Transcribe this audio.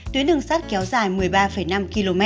tuyến đường sắt kéo dài một mươi ba năm km